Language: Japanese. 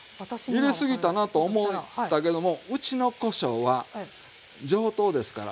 入れすぎたなと思ったけどもうちのこしょうは上等ですから。